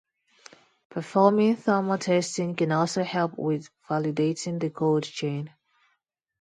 Performing thermal testing can also help with validating the cold chain.